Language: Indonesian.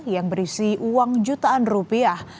yang berisi uang jutaan rupiah